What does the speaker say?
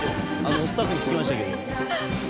スタッフに聞きましたけど。